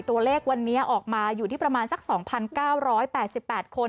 ตัวเลขวันนี้ออกมาอยู่ที่ประมาณสัก๒๙๘๘คน